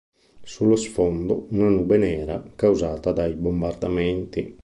Sullo sfondo una nube nera causata dai bombardamenti.